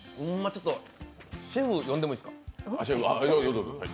ちょっとシェフ呼んでもいいですか。